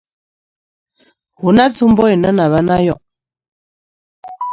Hu na tsumbo ine na vha nayo?